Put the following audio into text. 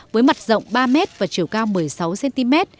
với mặt rộng ba m và chiều cao một mươi sáu cm